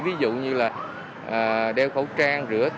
ví dụ như là đeo khẩu trang rửa